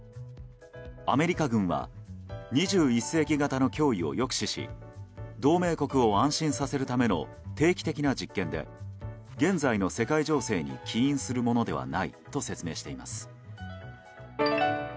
アメリカ軍は２１世紀型の脅威を抑止し同盟国を安心させるための定期的な実験で現在の世界情勢に起因するものではないと説明しています。